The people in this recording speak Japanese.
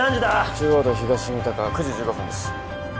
中央道東三鷹９時１５分です